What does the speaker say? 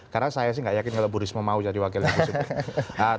karena saya sih nggak yakin kalau bu risma mau jadi wakilnya di jawa timur